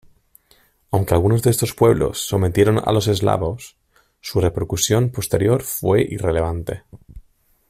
Aunque algunos de estos pueblos sometieron a los eslavos, su repercusión posterior fue irrelevante.